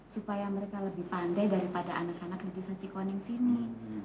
supaya mereka lebih pandai daripada anak anak di desa cikoning sini